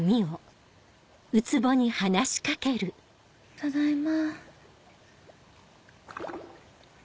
ただいま。